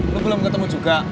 lu belum ketemu juga